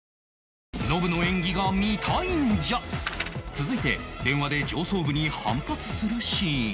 続いて電話で上層部に反発するシーン